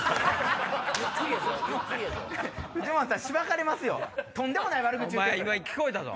藤本さんしばかれますよとんでもない悪口言うてた。